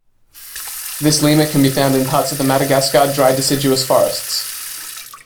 This lemur can be found in parts of the Madagascar dry deciduous forests.